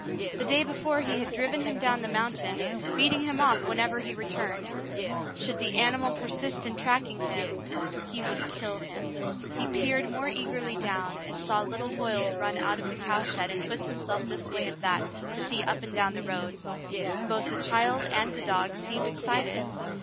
The day before he had driven him down the mountain, beating him off whenever he returned. Should the animal persist in tracking him, he would kill him. He peered more eagerly down, and saw little Hoyle run out of the cow shed and twist himself this way and thai to see up and down the road. Both the child and the dog seemed excited.